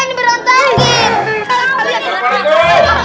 ini caranya kamu